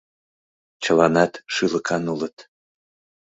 Чыланат шӱлыкан улыт.